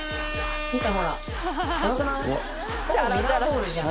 見てほら。